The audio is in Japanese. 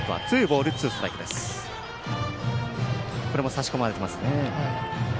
差し込まれてますね。